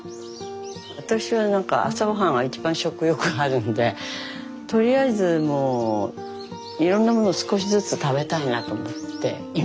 私はなんか朝ごはんは一番食欲あるのでとりあえずもういろんなものを少しずつ食べたいなと思っていまして。